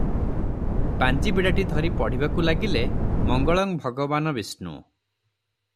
ପାଞ୍ଜିବିଡ଼ାଟି ଧରି ପଢ଼ିବାକୁ ଲାଗିଲେ - "ମଙ୍ଗଳଂ ଭଗବାନ ବିଷ୍ଣୁ"